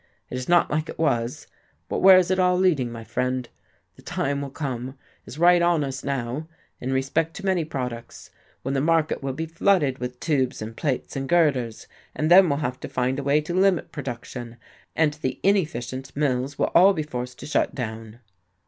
It is not like it was but where is it all leading, my friend? The time will come is right on us now, in respect to many products when the market will be flooded with tubes and plates and girders, and then we'll have to find a way to limit production. And the inefficient mills will all be forced to shut down."